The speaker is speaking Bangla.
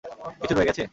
কিছু রয়ে গেছে?